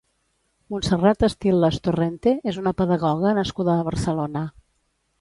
Montserrat Estil·les Torrente és una pedagoga nascuda a Barcelona.